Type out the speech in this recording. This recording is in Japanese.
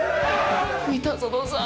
三田園さん。